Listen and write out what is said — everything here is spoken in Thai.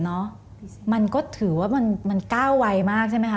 มันก็ถือว่ามันก้าวไวมากใช่ไหมคะ